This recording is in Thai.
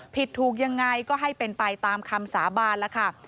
ผิดถูกยังไงก็ให้เป็นไปตามคำสาบานแล้วค่ะ